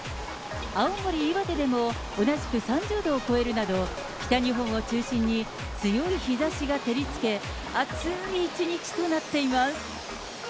青森、岩手でも同じく３０度を超えるなど、北日本を中心に強い日ざしが照りつけ、暑ーい一日となっています。